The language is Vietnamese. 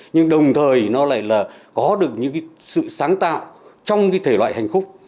nhưng đồng thời nó lại là có được những sự sáng tạo trong cái thể loại hành khúc